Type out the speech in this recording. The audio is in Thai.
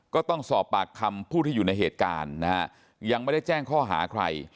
ก็ต้องสอบปากคำผู้ที่อยู่ในเหตุการณ์นะฮะยังไม่ได้แจ้งข้อหาใคร